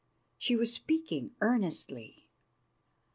She was speaking earnestly.